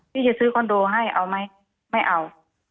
จะซื้อคอนโดให้เอาไหมไม่เอา